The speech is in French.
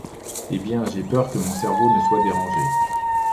Eh bien, j’ai peur que mon cerveau ne soit dérangé.